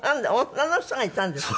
女の人がいたんですか？